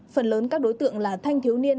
phần lớn các đối tượng là thanh thiếu niên